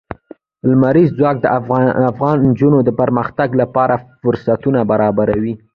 لمریز ځواک د افغان نجونو د پرمختګ لپاره فرصتونه برابروي.